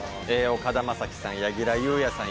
岡田将生さん柳楽優弥さん